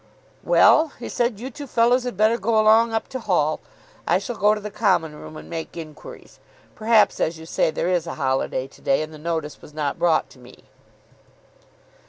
"Well," he said, "you two fellows had better go along up to Hall. I shall go to the Common Room and make inquiries. Perhaps, as you say, there is a holiday to day, and the notice was not brought to me."